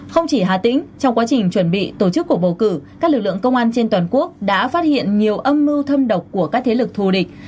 không chỉ hà tĩnh trong quá trình chuẩn bị tổ chức cuộc bầu cử các lực lượng công an trên toàn quốc đã phát hiện nhiều âm mưu thâm độc của các thế lực thù địch